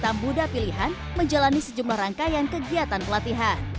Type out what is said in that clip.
wanita muda pilihan menjalani sejumlah rangkaian kegiatan pelatihan